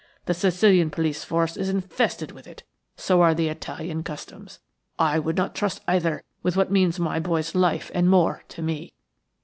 The Sicilian police force is infested with it, so are the Italian customs. I would not trust either with what means my boy's life and more to me."